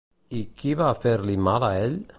I qui va fer-li mal a ell?